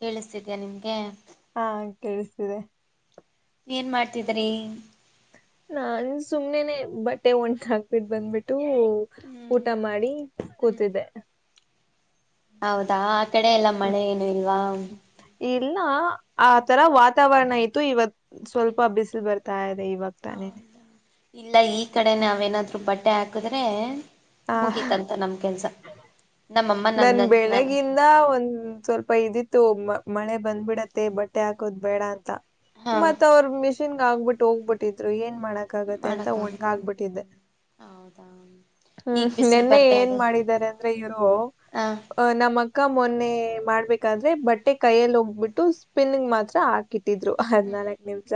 ಕೇಳಿಸ್ತಿದೀಯ ನಿಮ್ಗೆ.. ಕೇಳಸ್ತಿದೆ ಏನ್ ಮಾಡ್ತಿದ್ರಿ ನಾನು ಸುಮ್ನೆನೆ ಬಟ್ಟೆ ಒಣಗ ಹಾಕ್ಬಿಟ್ಟು ಬಂದ್ಬಿಟ್ಟು ಊ ಹ್ಮ್ ಊಟ ಮಾಡಿ ಹ್ಮ್ ಕೂತಿದ್ದೆ ಹೌದಾ ಆ ಕಡೆ ಎಲ್ಲಾ ಮಳೆ ಏನು ಇಲ್ವಾ ಇಲ್ಲ ಆ ತರ ವಾತಾವರಣ ಇತ್ತು ಇವತ್ ಸ್ವಲ್ಪ ಬಿಸಿಲ್ ಬರ್ತಾ ಇದೆ ಇವಾಗ ತಾನೇನೆ ಹೌದಾ ಇಲ್ಲ ಈ ಕಡೆ ನಾವೇನಾದ್ರು ಬಟ್ಟೆ ಹಾಕದ್ರೆ ಆ ಮುಗೀತಂತ ನಮ್ ಕೆಲ್ಸ ನಮ್ಮಮ್ಮ ನನ್ ನನ್ನ ಬೆಳಗ್ಗಿಂದ ಒಂದ್ ಸ್ವಲ್ಪ ಇದಿತ್ತು ಒಮ್ಮ. ಮಳೆ ಬಂದ್ ಬಿಡತ್ತೆ ಬಟ್ಟೆ ಹಾಕೋದ್ ಬೇಡ ಅಂತ ಹಾ ಮತ್ ಅವ್ರ್ ಮಿಷಿನ್.. ಗಾಕ್ಬಿಟ್ಟು ಹೋಗ್ಬಿಟ್ಟಿದ್ರು ಏನ್ ಮಾಡಕ್ ಆಗತ್ತೆ ಅಂತ ಒಣ್ಗ್ ಮಾಡಕ್ಕಾಗುತ್ತೆ ಹಾಕ್ ಬಿಟ್ಟಿದ್ದೆ.. ಹ್ಮ್ ಹೌದಾ ಮ್ಮ್ ಈಗ ಹ್ಮ್ ಬಿಸಿಲು ನೆನ್ನೆ ಬರ್ತಾ ಏನ್ ಇದೆ ಮಾಡಿದಾರೆ ಅಂದ್ರೆ ಇವ್ರು ಹ ಅ ನಮ್ಮಕ್ಕ ಮೊನ್ನೆ.. [unintelligible] ಮಾಡ್ಬೇಕಾದ್ರೆ ಬಟ್ಟೆ ಕೈಯಲ್ಲಿ ಹೋಗ್ಬಿಟ್ಟು ಸ್ಪಿನ್ನಿಂಗ್ ಮಾತ್ರ ಹಾಕಿತ್.. ಟಿದ್ರು ಹದ್ನಾಲಕ್ ಹ್ಮ್ ನಿಮ್ಶ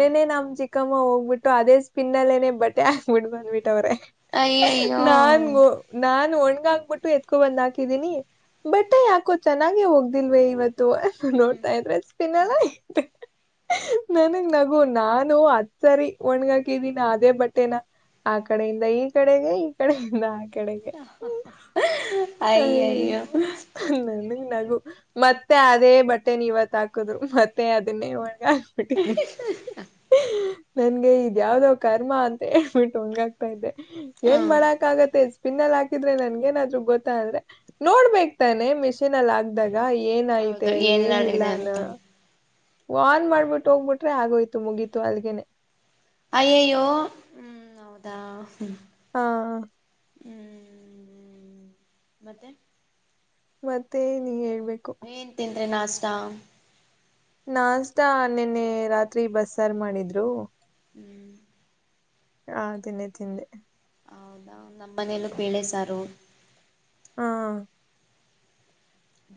ನೆನ್ನೆ ನಮ್ ಚಿಕ್.. ಅಕ್ಕಮ್ಮ ಹೋಗ್ಬಿಟ್ಟು ಅದೇ ಸ್ಪಿನ್ನಲ್ಲೇನೆ ಬಟ್ಟೆ ಹಾಕ್ಬಿಟ್ಟು ಬಂದ್ಬಿಟ್ಟವ್ರೆ.. ಅಯ್ಯಯ್ಯೋ ನಾನ್ ಗೊ ನಾನ್ ಒಣ್.. ಗಾಕ್ಬಿಟ್ಟು ಎತ್ಕೊ ಬಂದ ಹಾಕಿದೀನಿ ಬಟ್ಟೆ ಯಾಕೋ ಚೆನ್ನಾಗೆ ಒಗ್ದಿಲ್ವೆ ಇವತ್.. ತ್ತು ಹ್ಮ್ ನೋಡ್ತಾ ಇದ್ರೆ ಸ್ಪಿನ್ನಲ್ಲೆ.. ನನಗ್ ನಗು ನಾನು ಹತ್ಸರಿ ಒಣ್ಗಾಕಿದೀನ್ ಅದೇ ಬಟ್ಟೆನ.. ಆ ಕಡೆಯಿಂದ ಈ ಕಡೆಗೆ ಈ ಕಡೆಯಿಂದ ಆ.. ಕಡೆಗೆ.. [inaudible] ಅಯ್ಯಯ್ಯೋ ನಗು ಮತ್ತೆ ಅದೇ ಬಟ್ಟೆ ನಿವತ್ ಹಾಕುದ್ರು ಮತ್ತೆ ಅದುನ್ನೇ ಒಣ್.. ಗಾಕ್ ಬಿಟ್ಟಿದಾರೆ.. ನನ್ಗೆ ಇದ್ ಯಾವ್ದೋ ಕರ್ಮ ಅಂತ ಹೇಳ್ಬಿಟ್ಟು ಒಣ್ಗಾಗ್ತ ಇದ್ದೆ ಏನ್ ಹ್ಮ್ ಮಾಡಾಕ್ ಆಗತ್ತೆ.. ಪಿನ್ನಲ್ ಹಾಕಿದ್ರೆ ನನ್ಗ್ ಏನಾದ್ರು ಗೊತ್ತ ಅಂದ್ರೆ ನೋಡ್ಬೇಕ್ ತಾನೆ ಮಿಷೀನ್ ಅಲ್ ಹಾಕ್ದಾಗ್.. ಗ ಏನ್ ಐತೆ ಹೌದು ಏನ್ ಇಲ್ಲಾ ಮಾಡಿದೆ ಅನೊ.. ಅಂತ ಆನ್ ಮಾಡ್ಬಿಟ್ಟು ಹೋಗ್ಬಿಟ್ರೆ ಆಗೋಯ್ತು ಮುಗೀತು ಅಲ್ಗೆನೆ ಅಯ್ಯಯ್ಯೋ ಹ್ಮ್ ಹೌದಾ ಹಾ ಹ ಹ್ಮ್ ಮತ್ತೆ ಮತ್ತೆ ನೀ ಹೇ ಏನ್ ತಿಂದ್ರೆ ನಾಷ್ಟಾ ನಾನ್ಷ್ಟಾ ನಿನ್ನೆ ರಾತ್ರಿ ಬಸ್ ಸಾರ್ ಮಾಡಿದ್ರು ಹ್ಮ್ ಹಾ ತಿನ್ನೆ ತಿಂದೆ ಹೌದಾ ನಮ್ಮ ಮನೆಯಲ್ಲೂ ಪೇಳೆ ಸಾರು. ಹಾ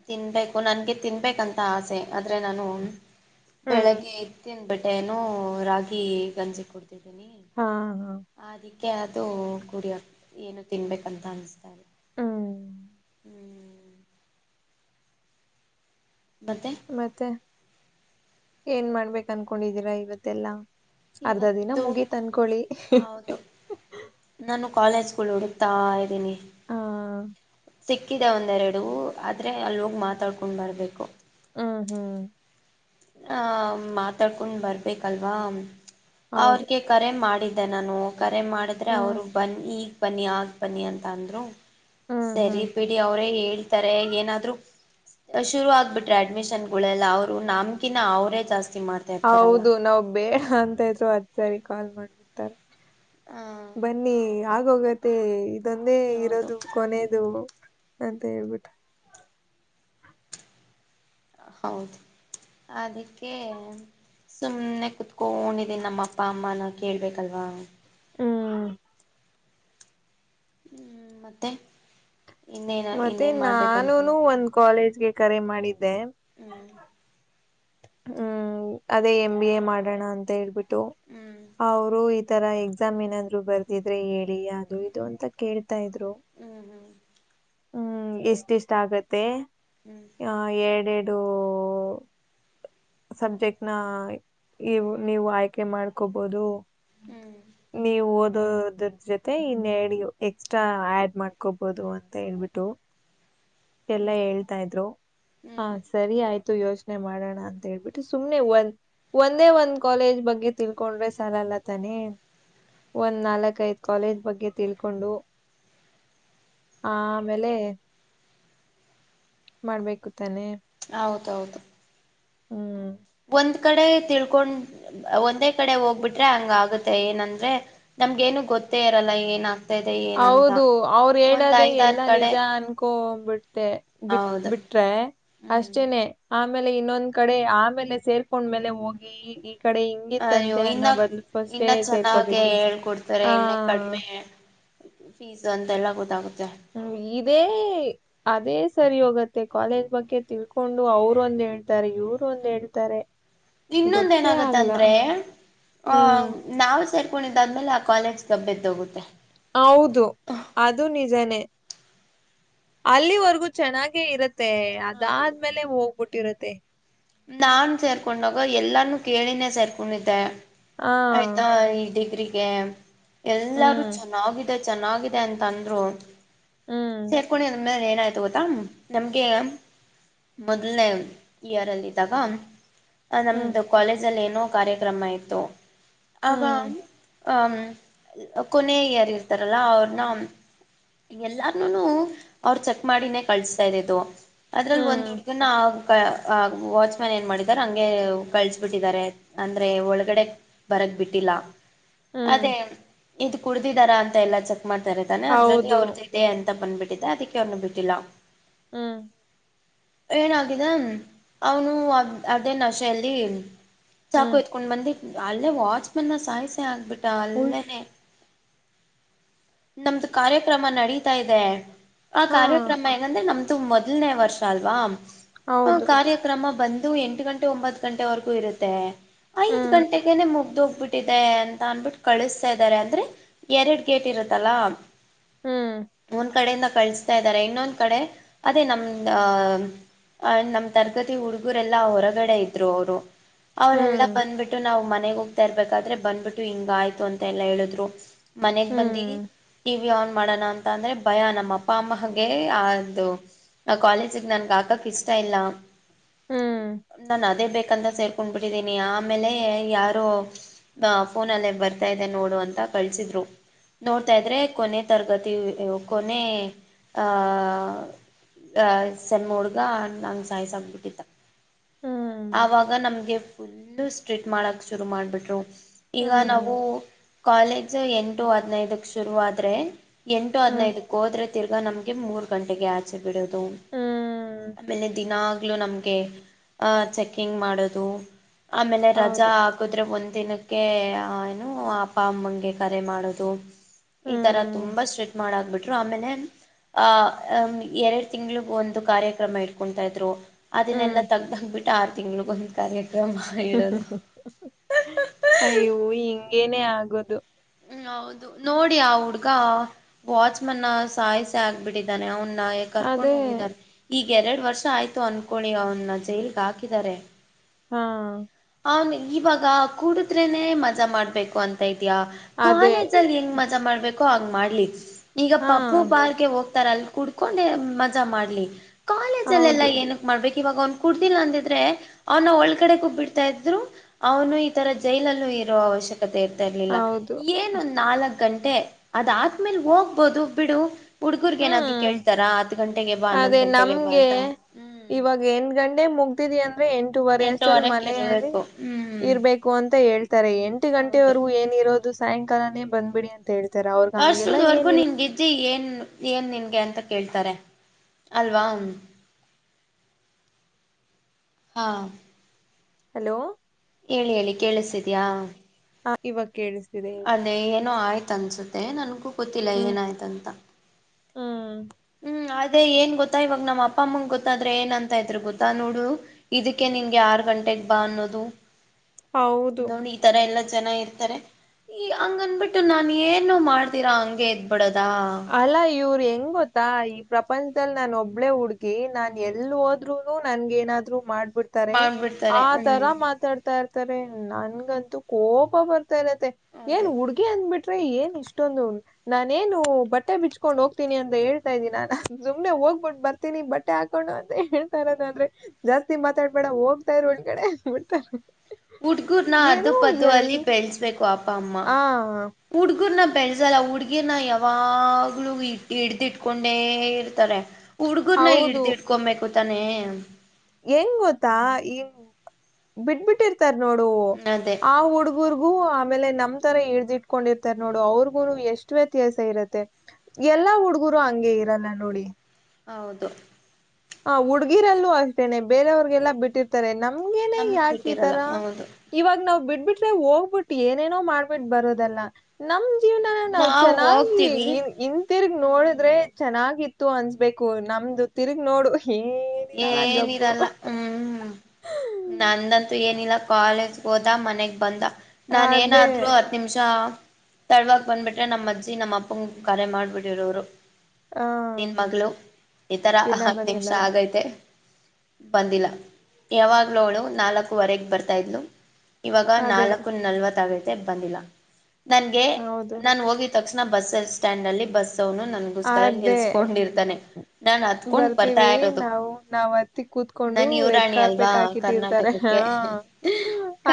ತಿನ್ಬೇಕು ನನ್ಗೆ ತಿನ್ಬೇಕಂತ ಆಸೆ ಆದ್ರೆ ನಾನು ಹ್ಮ್ ಬೆಳಗ್ಗೆ ಇತ್ತಿನ ಬಟ್ಟೆನ ರಾಗಿ ಗಂಜಿ ಕೊಡ್ತಿ ಹಾ ಹಾ ಅದಿಕ್ಕೆ ಅದು ಗುಡಿಕ್ ಏನು ತಿನ್ಬೇಕಂತ ಅನ್ಸ್ದೆ ಹ್ಮ್ ಮತ್ತೆ ಮತ್ತೆ ಏನ್ ಮಾಡ್ಬೇಕ ಅನ್ಕೊಂಡಿದ್ದೀರಾ ಇವತ್ತೆಲ್ಲಾ ಅರ್ಧ ದಿನ ಇವತ್ತು ಮುಗಿ ತನ್ಕೊಳ್ಳಿ ಕಾಲೇಜ್ಕ ಉಡ್ತಾ ಇ್ದನಿ ಹಾ ಸಿಕ್ಕಿದೆ ಒಂದೆರಡುೂ ಆದ್ರೆ ಅಲ್ಲಿ ಹೋಗ್ ಮಾತಾಡ್ಕೊಂಡ್ ಬರ್ಬೇಕು ಹಾ ಹಾ ಹ ಮಾತಾಡ್ಕೊಂಡ್ ಬರ್ಬೇಕಲ್ವಾ ಹೌದು ಅವ್ರಗೆ ಕರೆ ಮಾಡಿದ ಅ ನಾನು ಕರೆ ಮಾಡಿದ್ರೆ ಹ್ಮ್ ಅವರು ಬನ್ನಿ ಈಗ್ ಬನ್ನಿ ಆಗ ಬನ್ನಿ ಅಂತ ಅಂದರು ಹ್ಮ್ ಸರಿ ಹ್ಮ್ ಬಿಡಿ ಅವ್ರೇ ಹೇಳ್ತಾರೆ ಏನಾದ್ರು ಶುರು ಆಗ್ಬಿಟ್ರೆ ಅಡ್ಮಿಷನ್ ಗಳೆಲ್ಲ ಅವ್ರು ನಮ್ಕಿನ ಅವರೇ ಜಾಸ್ತಿ ಮಾಡ್ತಾ ಇರ್ತಾರಲ್ಲ ಹೌದು ನಾವ್ ಬೇಡ ಅಂತ ಇದ್ರು ಹತ್ತ್ ಸರಿ ಕಾಲ್ ಮಾಡ್ಬಿತಾರೆ ಹಾಂ ಬನ್ನಿ ಆಗೋಗತ್ತೆ ಇದೊಂದೇ ಹೌದು ಇರೋದು ಕೊನೇದು ಅಂತ ಹೇಳ್ಬಿಟ್ಟು ಹೌದು ಅದಕ್ಕೆ ಸುಮ್ಮ್ನೆ ಕುತ್ಕೊಂಡಿದೀನಿ ನಮ್ಮ ಅಪ್ಪ ಅಮ್ಮನ ಕೇಳ್ಬೇಕಲ್ವಾ ಹ್ಮ್ ಮತ್ತೆ ಮತ್ತೆ ನಾನುನು ಒಂದ್ ಕಾಲೇಜ್ಗೆ ಕರೆ ಮಾಡಿದ್ದೆ ಹ್ಮ್ ಹ್ಮ್ ಅದೇ ಎಮ್ ಬಿ ಎ ಮಾಡೋಣ ಅಂತ ಹೇಳ್ಬಿಟ್ಟು ಹ್ಮ್ ಅವರು ಈ ತರ ಎಕ್ಸಾಮ್ ಏನಾದ್ರು ಬರ್ದಿದ್ರೆ ಹೇಳಿ ಯಾವದು ಇದು ಅಂತ ಕೇಳ್ತಾ ಇದ್ರು ಹ್ಮ್ ಹ್ಮ್ ಹ್ಮ್ ಇಷ್ಟಿಷ್ಟ ಆಗತ್ತೆ ಹ್ಮ್ ಆ ಎರಡೆರಡು ಸಬ್ಜೆಕ್ಟ್ ನ ಇವು ನೀವು ಆಯ್ಕೆ ಮಾಡ್ಕೋಬೋದು ಹ್ಮ್ ಜೊತೆ ಇನ್ ಎಕ್ಸ್ಟ್ರಾ ಆಡ್ ಮಾಡ್ಕೋಬಹುದು ಅಂತ ಹೇಳ್ಬಿಟ್ಟು ಎಲ್ಲಾ ಹ್ಮ್ ಹೇಳ್ತಾ ಇದ್ರು ಹ ಹ್ಮ್ ಸರಿ ಆಯ್ತು ಯೋಚನೆ ಮಾಡೋಣ ಅಂತ ಹೇಳ್ಬಿಟ್ಟು ಸುಮ್ನೆ ಒಂದ್ ಒಂದೇ ಒಂದ್ ಕಾಲೇಜ್ ಬಗ್ಗೆ ತಿಳ್ಕೊಂಡ್ರೆ ಸಲ ಲ್ಲ ತಾನೆ ಒಂದ್ ನಾಲ್ಕ ಐದ್ ಕಾಲೇಜ್ ಬಗ್ಗೆ ತಿಳ್ಕೊಂಡು [unintelligible] ಹ ಆಮೇಲೆ ಮಾಡ್ಬೇಕು ತಾನೆ ಹೌದೌದು ಹ್ಮ್ ಒಂದ್ ಕಡೆ ತಿಳ್ಕೊಂಡ್ ಒಂದೇ ಕಡೆ ಹೋಗ್ಬಿಟ್ರೆ ಹಂಗ ಆಗತ್ತೆ ಏನಂದ್ರೆ ನಮ್ಗೇನು ಗೊತ್ತೇ ಇರಲ್ಲ ಏನ ಇದೆ ಏನಂತ ಹೌದು ಅವರು ಒಂದ್ ಹೇಳದೆೇ ಐದಾರು ಎಲ್ಲಾ ಕಡೆ ನಿಜ ಅನ್ಕೊಬಿಡ್ತ ಬಿಟ್ ಹೌದು ಬಿಟ್ರೆ ಹ್ಮ್ ಅಷ್ಟೇನೆ ಆಮೇಲೆ ಇನ್ನೊಂದ್ ಕಡೆ ಆಮೇಲೆ ಸೇರ್ಕೊಂಡ್ ಮೇಲೆ ಹೋಗಿ ಈ ಕಡೆ ಅಯ್ಯೋ ಹಿಂಗಿತ್ತಂತೆ ಇನ್ನ ಅನ್ನೋ ಬದಲು ಫಸ್ಟೇ ಇನ್ನ ಚೆನ್ನಾಗೆ ಸೇರ್ಕೋಬೇಕಿತ್ತು ಹೇಳ್ಕೊಡ್ತಾರೆ ಆ ಇನ್ನ ಕಡಿಮೆ ಫೀಸ್ ಅಂತ ಎಲ್ಲಾ ಗೊತ್ತಾಗುತ್ತೆ ಇದೇ ಅದೇ ಸರಿ ಹೋಗತ್ತೆ ಕಾಲೇಜ್ ಬಗ್ಗೆ ತಿಳ್ಕೊಂಡು ಅವರೊಂದು ಹೇಳ್ತಾರೆ ಇವರು ಒಂದ ಹೇಳ್ತಾರೆ ಇನ್ನೊಂದ ಗೊತ್ತೇ ಆಗಲ್ಲ ಏನಾಗತ್ತಂದ್ರೆ ಆ ಹ್ಮ್ ನಾವು ಸೇರ್ಕೊಂಡಿದ್ದಾದ್ಮೇಲೆ ಆ ಕಾಲೇಜ್ ಗಬ್ಬೆದ್ದೋಗುತ್ತೆ ಹೌದು ಅದು ನಿಜನೇ ಅಲ್ಲಿವರ್ಗೂ ಚೆನ್ನಾಗೆ ಇರತ್ತೆ ಅದಾದ್ಮೇಲೆ ಹೋಗ್ಬಿಟ್ಟಿರತ್ತೆ ನಾ ಸೇರ್ಕೊಂಡಾಗ ಎಲ್ಲಾನೂ ಕೇಳಿನೇ ಸೇರ್ಕೊಂಡಿದ್ದೆ ಆ ಆಯ್ತಾ ಈ ಡಿಗ್ರಿಗೆ ಎಲ್ಲಾರು ಹ್ಮ್ ಚೆನ್ನಾಗಿ ಚೆನ್ನಾಗಿದೆ ಅಂತಂದ್ರು ಹ್ಮ್ ಸೇರ್ಕೊಂಡ್ಮೇಲೆ ಆಯ್ತ ಗೊತ್ತಾ ನಮ್ಗೆ ಮೊದಲ್ನೇ ಇಯರ್ಲ್ಲಿ ಗ ಹ್ಮ್ ನಮ್ದು ಕಾಲೇಜ ಅಲ್ಲಿ ಏನೋ ಕಾರ್ಯಕ್ರಮ ಇತ್ತು ಆಗ ಹ್ಮ್ ಆ ಕೊನೆ ಯಾರ ಇರ್ತಾರಲ್ಲ ಅವ್ರನ್ನ ಯಲಾರನುನು ಅವರು ಚೆಕ್ ಮಾಡಿನೇ ಕಳ್ಸ್ತಾ ಇದು ಅದ್ರಲ್ಲಿ ಒಂದ್ ಹ್ಮ್ ಹುಡ್ಗನ ವಾಚ್ ಮ್ಯಾನ್ ಏನ್ ಮಾಡಾರ ಹಂಗೆ ಕಳ್ಸಬಿಟ್ಟಿದ್ದಾರೆ ಅಂದ್ರೆ ಒಳಗಡೆ ಬರಕ್ ಬಿಟ್ಟಿಲ್ಲ ಹ್ಮ್ ಅದೇ ಇದು ಕುಡ್ದಿದಾರ ಅಂತ ಎಲ್ಲ ಚೆಕ್ ಮಾಡ್ತಾರೆತಾನೆ ಅದ್ರಲ್ಲಿ ಹೌದು ಅವ್ರದ್ದು ಇದೆ ಅಂತ ಬಂದ್ಬಿಟ್ಟಿದೆ ಅದಕ್ಕೆ ಅವ್ನು ಬಿಟ್ಟಿಲ್ಲ ಹ್ಮ್ ಏನಾಗಿದನ್ ಅವನು ಅ ಅದೇ ನಶೆಯಲ್ಲಿ ಚಾಕು ಹ್ಮ್ ಎತ್ಕೊಂಡ್ ಬಂದಿ ಅಲ್ಲೇ ವಾಚ್ ಮ್ಯಾನ್ ಸಾಯ ಸಾಯ ಆಕ್ಬಿಟ್ಟ ಉಶ್ ಅಲ್ಲೇನನೆ ನಮ್ದು ಕಾರ್ಯಕ್ರಮ ನಡೀತಾ ಇದೆ ಆ ಹಾ ಕಾರ್ಯಕ್ರಮ ಹೆಂಗಂದ್ರೆ ನಮ್ದು ಮೊದಲ್ನೇ ವರ್ಷ ಅಲ್ವಾ ಹೌದು ನಮ್ಮ ಬಂದು ಎಂಟು ಗಂಟೆ ಒಂಬತ್ತು ಗಂಟೆವರೆಗೂ ಇರುತ್ತೆ ಐದ್ ಹ್ಮ್ ಗಂಟೆಗನೆ ಮುಗ್ದು ಹೋಗ್ಬಿಟ್ಟಿದೆ ಅಂತ ಅನ್ಬಿಟ್ಟು ಕಳಿಸ್ತಾ ಇದ್ದಾರೆ ಅಂದ್ರೆ ಎರಡ್ ಗೇಟ್ ಇರ ತಲಾ ಹ್ಮ್ ಕಡೆಯಿಂದ ಕಳಿಸ್ತಾ ಇದಾರೆ ಇನ್ನೊಂದ್ ಕಡೆ ಅದೇ ನಮ್ದ ನಮ್ ತರ್ ಗ ಹುಡುಗರೆಲ್ಲ ಹೊರಗಡೆ ಇದ್ರು ಅವರು ಅವರೆಲ್ಲ ಹ್ಮ್ ಬಂದ್ಬಿಟ್ಟು ನಾವು ಮ ಮನೆಗ್ ಹೋಗ್ತಾ ಇರ್ಬೇಕಾದ್ರೆ ಬಂದಬಿಟ್ಟು ಹಿಂಗ ಆಯ್ತು ಅಂತ ಎಲ್ಲಾ ಹೇಳಿದ್ರು ಮನೆಗ್ ಬಂದಿ ಹ್ಮ್ ಟಿ ವಿ ಆನ್ ಮಾಡೋಣ ಅಂತ ಅಂದ್ರೆ ಭಯ ನಮ್ಮ ಅಪ್ಪ ಅಮ್ಮಗೆ ಆದು ನ ಕಾಲೇಜಿಗೆ ನನ್ಗೆ ಹಾಕಕ್ಕೆ ಇಷ್ಟ ಇಲ್ಲ ಹ್ಮ್ ನನ್ ಅದೇ ಬ ಸೇರ್ಕೊಂಡ್ ಬಿಟ್ಟಿದೀನಿ ಆಮೇಲೆ ಯಾರು ಫೋನ ಅಲ್ಲೇ ಬರ್ತಾ ಇದೆ ನೋಡು ಅಂತ ಕಳಿಸಿದ್ರು ನೋಡ್ತಾ ಇದ್ರೆ ಕೊನೆ ತರಗತಿ ಕೊನೆ ಆಹ ಸಣ್ ಹುಡ್ಗ ನಂಗೆ ಸಾಯ್ಸಕ್ಬಿಟ್ಟು ಹ್ಮ್ ಆಾಗ ನಮ್ಗೆ ಫುಲ್ಲು ಸ್ಟ್ರೀಟ್ ಮಾಡಕ್ ಶುರು ಮಾಡ್ಬಿಟ್ರು ಈಗ ನಾವು ಹ್ಮ್ ಕಾಲೇಜ್ ಎಂಟು ಹದ್ಿನೈದಕ್ ಶುರು ಆದ್ರೆ ಎಂಟು ಹ್ಮ್ ಹದ್ಿನೈದಕ್ಕೆ ಹೋದ್ರೆ ತಿರ್ಗ ನಮ್ಗೆ ಮೂರು ಗಂಟೆಗೆ ಆಚೆ ಬಿಡೋದು ಹ್ಮ್ ಆಮೇಲೆ ದಿನ ನಮಗೆ ಚೆಿಂಗ್ ಮಾಡುದು ಆಮೇಲೆ ರಜಾ ಹೌದು ಆಗ್ರೆ ಒ ದಿನಕ್ಕೆ ಏನು ಅಪ್ಪ ಅಮ್ಮಂಗೆ ಕರೆ ಮಾಡುದು ಈ ತರ ಹ್ಮ್ ತುಂಬಾ ಸ್ಟ್ರೇಟ್ ಮಾಡಕ್ಬಿಟ್ರು ಆಮೇಲೆ ಆಹ ಎರಡು ತಿಂ್ಳಿಗ ಒಂದು ಕಾರ್ಯಕ್ರಮ ಇಡ್ಕೊತಾ ಇದ್ರು ಅದನ್ನೆಲ್ಲ ಹ್ಮ್ ತಗ್ದಗಬಿಟ್ಟು ಆರು ತಿಂಗ್ಳಗ ಬಂದ ಕ ಅಯ್ಯೋ ಹಿಂಗೇನೆೇ ಆಗೋದು ಹ್ಮ ಹೌದು ನೋಡಿ ಆ ಹುಡ್ಗ ವಾಚ್ಮನ್ ಸಾಯಿಸಿ ಆಗ್ಬಿಟ್ಟಿದ್ದಾನೆ ಅವನ ನಾಯ ಕರ್ಕೊಂಡು ಅದೇ ಹೋಗಿದ್ದಾರೆ ಈಗ ಈಗ ಎರಡು ವರ್ಷ ಆಯ್ತು ಅನ್ಕೊಳ್ಳಿ ಅವನ್ನ ಜೈಲ್ಗೆ ಹಾಕಿದ್ದಾರೆ ಹಾ ಅವನ್ ಇವಾಗ ಕುೂಡಿದ್ರೆನೆ ಮಜಾ ಮಾಡ್ಬೇಕು ಅಂತ ಇದ್ಯಾಾ ಅದೇ ಕಾಲೇಜ ಅಲ್ಲಿ ಹೆಂಗ್ ಮಜಾ ಮಾಡ್ಬೇಕೋ ಹಂಗ ಮಾಡ್ಲಿ ಈಗ ಹಾ ಪಪ್ಪು ಪಾರ್ಗೆ ಹೋಗ ತರ ಅಲ್ಲಿ ಕುೂಡ್ಕೊಂಡೆ ಮಜಾ ಮಾಡ್ಲಿ ಕಾಲೇಜ ಅಲ್ಲ ಎಲ್ಲಾ ಹೌದು ಏನಕ್ ಮಾಡ್ಬೇಕ ಇವಾಗ ಅವ್ನು ಕುಡುದಿಲ್ಲ ಅಂದಿದ್ರೆ ಅವನ ಒಳ ಕಡೆ ಕುಬ್ಬಿಡ್ತಾ ಇದ್ರು ಅವನು ಈ ತರ ಜೈಲಲ್ಲೂ ಇರೋ ಕತೆ ಇರ್ತಾ ಇರ್ಲಿಲ್ಲ ಹೌದು ಏನೊಂದ್ ನಾಲ್ಕ್ ಗಂಟೆ ಅದಾದ್ಮೇಲೆ ಹೋಗ್ಬೋದು ಬಿಡು ಹುಡ್ಗೂರ್ಗ್ ಏನಾದ್ರು ಹ್ಮ್ ಕೇಳ್ತಾರಾ ಹತ್ ಗಂಟೆಗೆ ಬಾ ಹನ್ನೊಂದ್ ಅದೇ ಗಂಟೆಗೆ ಬಾ ಅಂತ ಹ್ಮ್ ಎೇ ಮುಗ್ದಿದಿ ಅಂದ್ರೆ ಎಂಟೂುವರೆ ಅಷ್ಟಲ್ಲಿ ಎಂಟುವರೆಗೆ ಮನೆಯಲ್ಲಿ ಇರ್ಬೇಕು ಹ್ಮ್ ಇರ್ಬೇಕು ಅಂತ ಹೇಳ್ತಾರೆ ಎಂಟು ಹೌದು ಗಂಟೆವರೆಗೂ ಏನಿರೋದು ಸಾಯಂಕಾಲನೇ ಬಂದ್ಬಿಡಿ ಅಂತ ಅಂತ ಹೇಳ್ತಾರೆ ಅವ್ರಗ್ ಹಂಗೆಲ್ಲ ಏನಿಲ್ಲ ಜಿ ಏನ್ ಏನ್ ನಿನ್ಗೆ ಅಂತ ಕೇಳ್ತಾರೆ ಅಲ್ವಾ ಹ ಹ ಹಾ ಹಲೋ ಹೇಳಿ ಹೇಳಿ ಕೇಳಿಸಿದ್ಯಾಾ ಹಾ ಇವಾಗ ಕೇಳಿಸ ಅದೇ ಏನೋ ಆಯ್ತ ಅನ್ಸುತ್ತೆ ನನ್ಗೂ ಗೊತ್ತಿಲ್ಲ ಹ್ಮ್ ಏನಾಯ್ತಂತ ಹ್ಮ್ ಹ್ಮ್ ಅದೇ ಏನ್ ಗೊತ್ತಾ ಇವಾಗ ನಮ್ಮ ಅಪ್ಪ ಅಮ್ಮ ಗೊತ್ತಾದ್ರೆ ಏನ್ ಅಂತ ಇದ್ರು ಗೊತ್ತಾ ನೋಡು ಇದಕ್ಕೆ ನಿನ್ಗೆ ಆರು ಗಂಟೆಗೆ ಬಾ ಅನ್ನೋದು ಹೌದು ನೋಡಿ ಈ ತರ ಎಲ್ಲ ಜನ ಇರ್ತಾರೆ ಈ ಹಂಗಂದಬಿಟ್ಟು ನಾನು ಏನು ಮಾಡ್ತೀರಾ ಹಗೆ ಇದದ್ಬಿಡದು ಅಲ್ಲಾ ಇವ್ರ ಹೆಂಗ್ ಗೊತ್ತಾ ಈ ಪ್ರಪಂಚದಲ್ಲಿ ನಾನ ಒಬ್ಳೇ ಹುಡ್ಕ ಗೆ ನಾನ್ ಹ್ಮ್ ಎಲ್ ಹೋದ್ರುನು ನನ್ಗ ಏನಾದ್ರು ಮಾಡ ಬಿಡ್ತಾರೆ ಮಾಡ್ಬಿಡ್ತಾರೆ ಆ ತರ ಹ್ಮ್ ಮಾತಾಡ್ತಾ ಇರ್ತ ನನ್ಗಂತೂ ಕೋಪ ಬರ್ತಾ ಇರತ್ತೆ ಏನ್ ಅದೇ ಹುಡ್ಗಿ ಅಂದ್ಬಿಟ್ಟ ಏನ್ ಇಷ್ಟೊಂದು ನಾನೇನು ಬಟ್ಟೆ ಬಿಟ್ಚ್ಕೊಂಡು ಹೋಗ್ತೀನಿ ಅಂತ ಹೇಳ್ತಾ ಇದೀನಿ ನಾನುಮ್ನೆ ಹೋಗ್ಬಿಟ್ಟು ಬರ್ತನಿ ಬೆ ಹಾಕೊಂಡು ಅಂತ ಹೇಳ್ತಾರ ್ರೆ ಜಾಸ್ತಿ ಮಾತಾಡ್ಬೇಡ ಹೋಗ್ತಾ ಇರ ಒಳಗಡೆ ಬಿಡ್ತಾರ ಹುಡ್ಗುರ್ನ ಹದದು ಪದ ಅಲ್ಲಿ ಬೆಳೆಸ್ಬೇಕು ಅಪ್ಪ ಅಮ್ಮ ಆ ಹುಡ್ಗುರ್ನ ಬೆಳಸಲ್ಲ ಹುಡ್ಗಿರ್ನ ಯಾವಾಗ್ಲ ಇ ಹಿಡ್ದು ಇಟ್ಕೊಂಡೆ ಇರ್ತಾರೆ ಹುಡ್ಗುರ್ನ ಹಡ್ದಿಡ್ಕೊಬೇಕು ತಾನೆ ಂಗ ಗೊತ್ತಾ ಈ ಬಿಟ್ಬಿಟ್ಟಿರ್ತಾರ ನೋಡು ಅದೇ ಆ ಹುಡುಗುರು ಆಮೇಲೆ ನಮ ತರ ಹಿಡ್ದಿ ಇಟ್ಕೊಂಡಿರ್ತಾರೆ ನೋಡು ಅವ್ರಗು ಎಷ್ಟು ವ್ಯತ್ಯಾಸ ಇರುತ್ತೆ ಎಲ್ಲಾ ಹುಡ್ಗರು ಹಂಗೆ ಇರಲ್ಲ ನೋಡಿ ಹೌದು ಹ ಹುಡ್ಗಿರಲ್ಲೂ ಅಷ್ಟೇನೇ ಬೇರವ್ರಿಗೆಲ್ಲಾ ಬಿಟ್ಟಿರ್ತಾರೆ ನಮ್ ನಮ್ಗೆನೆ ನಮಗ್ ಯಾಕ ಬಿಟ್ಟಿರಲ್ಲ ಈತರ ಹೌದು ಇವಾಗ ನಾ್ ಬಿಡ್ ಬಿಟ್ರೆ ಹೋಗ್ಬಿಟ್ಟು ಏನೇನೋ ಮಾಡ್ಬಿಟ್ಟ ಬರೋದಲ್ಲಾ ನಮ್ದ ಜೀವನ ನಾವ್ ನಾವು ಚೆನ್ನಾಗಿ ಹೋಗ್ತೀವಿ ಹಿಂತಿರುಗಿ ನೋಡಿದ್ರೆ ಹ್ಮ್ ಚೆನ್ನಾಗಿ ಅನ್ಸ್ಬೇಕು ನಮ್ದು ತಿರ್ಗ್ ನೋಡು ಏನಿರಲ್ಲ ಗಬ್ಬು ಏನಿರಲ್ಲ ಹ್ಮ್್ಮ ನಂದಂತೂ ಏನಿಲ್ಲ ಕಾಲೇಜ್ ಹೋದ ಮನೆಗ್ ಬಂದ ನಾಾನ ಅದೇ ಏನಾದ್ರು ಹತ್ ನಿಮಿಷ ತಡವಾಗ ಬಂದ್ಬಿಟ್ರೆ ನಮ್ಮ ಅಜ್ಜಿ ನಮ್ಮ್ ಅಪ್ಪಂಗ ಕರೆ ಮಾಡ್ಬಿಟ್ಟರ ಅವ್ರು ಹ ನಿನ್ ಮಗಳು ಈ ತರ ಇನ್ನ ಹತ್ತು ಬಂದಿಲ್ಲ ನಿಮಿಷ ಆಗೈತ ಬಂದಿಲ್ಲ ಯಾವಾಗ್ಲ ಅವಳು ನಾಲ್ಕುವರೆಗೆ ಬರ್ತಾ ಇದ್ಲು ಇವಾಗ ಅದೇ ನಾಲ್ಕು ನಲ್ವತ್ ಆಗತೆ ಬಂದಿಲ್ಲ ನನ್ಗೆ ಹೌದು ನಾನು ಹೋಗಿ ತಕ್ಷಣ ಬಸ್ ಸ್ಟ್ಯಾಂಡ್ ಅಲ್ಲಿ ಬಸ್ ನನಗೋಸ್ಕರ ಅದೇ ನಿಲ್ಸ್ಕೊಂಡಿರ್ತಾನೆ ನಾನ್ ಹತ್ಕೊಂಡ್ ಬರ್ತಾ ಬರ್ತೀವಿ ಇರೋದು ನಾವು ನಾವ್ ಹತ್ತಿಗ್ ಕೂತ್ಕೊಂಡು ನಾನು ರೆಡ್ ಯುವರಾಣಿ ಅಲ್ವಾ ಕಾರ್ಪೆಟ್ ಹಾಕಿಟ್ಟಿರ್ತಾರೆ ಹ ಕರ್ನಾಟಕಕ್ಕೆ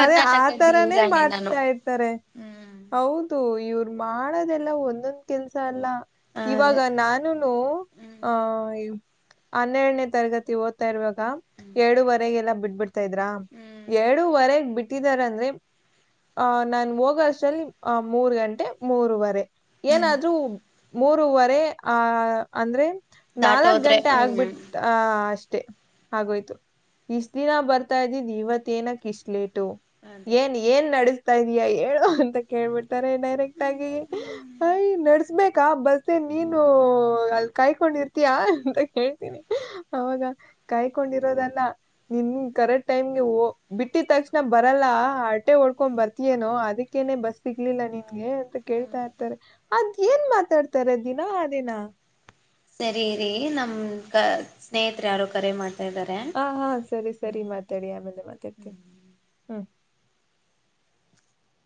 ಅದೇ ಆ ತರಾನೇ ಯುವರಾಣಿ ನಾನು ಮಾಡ್ತಾ ಇರ್ತಾರೆ ಹ್ಮ್ ಹೌದು ಇವ್ರ ಮಾಡೋದೆಲ್ಲ ಒಂದೊಂದ್ ಕೆಲ್ಸ ಅಲ್ಲ ಇವಾಗ ಅದೇ ನಾನು ಹ್ಮ್ ಆಹ ಹನ್ನೆರಡನೇ ತರಗತಿ ಓದ್ತಾ ಇರುವಾಗ ಏರಡೂುವರೆಗೆಲ್ಲ ಬಿಟ್ಬಿಡ್ತಾ ಇದ್ರ ಹ್ಮ್ ಏರ ಡೂುವರೆಗೆ ಬಿಟ್ಟ ಅಂದ್ರೆ ಆಹ್ ನಾನು ಹೋಗೋಷ್ಟಲ್ಲಿ ಆ ಮೂರು ಗಂಟೆ ಮೂರುವರೆ ಹ್ಮ್ ಏನಾದ್ರೂ ಮೂರವರೆ ಆ ಅಂದ್ರೆ ನಾಲ್ಕ್ ದಾಟೋದ್ರೆ ಗಂಟೆ ಆಗ್ಬಿಟ್ಟ ಹ್ಮ್ ಆ ಅಷ್ಟ್ ಹಾಗೋಯ್ತು ಇಷ್ಟ ದಿನ ಬರ್ತಾ ಇದ್ದೀನಿ ಇವತ್ತೇ ಏನಕ್ ಇಷ್ಟಲೇಟ್ ಅದೇ ಏನ್ ಏನ್ ನಡೆಸ್ತಾ ಇದಯಾ ಹೇಳು ಅಂತ ಕೇಳ್ಬಿಡ್ತಾರೆ ಡೈರೆಕ್ಟ್ ಆಗಿ ಅಯ ನಡ್ಸ್ಬೇಕ ಕಾ ಬಸ್ ನೀನು ಅಲ್ಲಿ ಕಾಯ್ಕೊಂಡಿರ್ತೀಯಾ ಅಂತ ಕೇಳ್ತೀನಿ ಅವಾಗ ಕಾಯ್ಕೊಂಡಿರೋದಲ್ಲ ನಿನ್ ಕರೆಕ್ಟ್ ಟೈಮ್ಗೆ ಬಿಟ್ಟಿದ ತಕ್ಷಣ ಬರಲ್ಲ ಆಟೆ ಓಡ್ಕೊಂಡ್ ಬರ್ತಿಯೇನೋ ಅದಕ್ಕೇನೆ ಬಸ್ ಸಿಗ್ಲಿಲ್ಲ ನೀ ಹಗೆ ಅಂತ ಕೇಳ್ತಾ ಇರ್ತಾರೆ ಅದ್ ಏನ್ ಮಾತಾಡ್ತಾರೆ ದಿನಾ ಆ ದಿನ ಸರಿ ರೀ ನಮ ಸ್ನೇಹಿತರು ಯಾರೋ ಕರೆ ಮಾಡ್ತ ಹಾ ಹಾ ಸರಿ ಸರಿ ಮಾತಾಡಿ ಆಮೇಲೆ ಮಾತಾಡ್ತೀನಿ ಹಾ